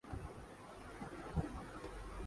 انتظار نامی لڑکے کا قتل دیکھ لیجیے۔